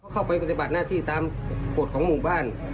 ปฏิบัติหน้าที่ตามกฎของหมู่บ้าน